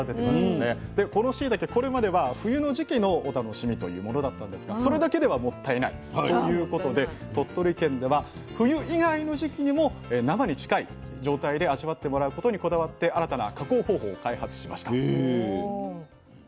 でこのしいたけこれまでは冬の時期のお楽しみというものだったんですがそれだけではもったいないということで鳥取県では冬以外の時期にも生に近い状態で味わってもらうことにこだわって新たな加工方法を開発しました。